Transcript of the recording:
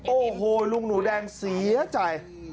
โอ้โหลุงหนูแดงเสียใจ